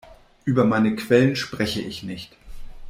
Über meine Quellen spreche ich nicht.